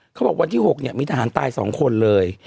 เขาบอกวันที่๖มีทหารตาย๒คนเลย